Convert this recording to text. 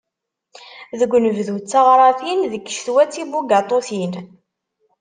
Deg unebdu, d taɣratin. Deg ccetwa, d tibugaṭutin.